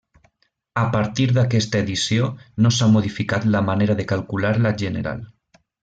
A partir d'aquesta edició no s'ha modificat la manera de calcular la general.